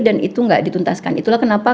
dan itu gak dituntaskan itulah kenapa